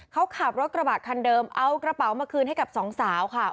เขาขับรถกระบะคันเดิมเอากระเป๋ามาคืนให้กับสองสาวค่ะ